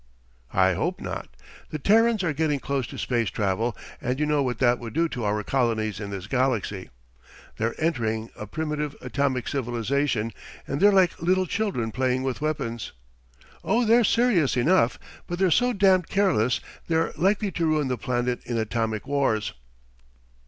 "I hope not. The Terrans are getting close to space travel, and you know what that would do to our colonies in this galaxy. They're entering a primitive Atomic civilization and they're like little children playing with weapons. Oh, they're serious enough, but they're so damned careless they're likely to ruin the planet in atomic wars..."